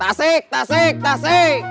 tasik tasik tasik